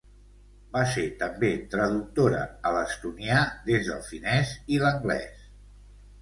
Va ser també traductora a l'estonià des del finés i l'anglés.